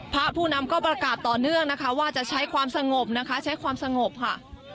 พระผู้นำก็ประกาศต่อเนื่องนะคะว่าจะใช้ความสงบนะคะใช้ความสงบค่ะ